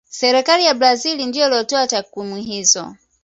serikali ya brazil ndiyo iliyotoa takwimu hizo